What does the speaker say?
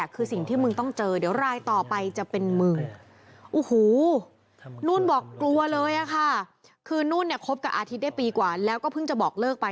คือนุ่นเนี่ยคบกับอาทิตย์ได้ปีกว่าแล้วก็เพิ่งจะบอกเลิกไป